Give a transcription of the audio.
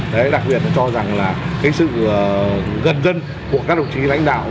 đặc biệt cho rằng sự gần dân của các đồng chí lãnh đạo